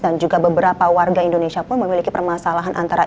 dan juga beberapa warga indonesia pun memiliki permasalahan antara